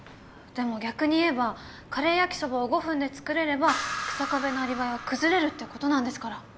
でも逆に言えばカレー焼きそばを５分で作れれば日下部のアリバイは崩れるってことなんですから。